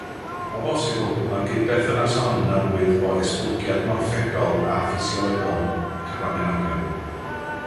O bosibl mae'r gydberthynas hon yn arwydd o esblygiad morffolegol a ffisiolegol cramenogion.